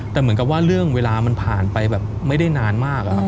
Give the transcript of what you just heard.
แต่เหมือนกับว่าเรื่องเวลามันผ่านไปแบบไม่ได้นานมากอะครับ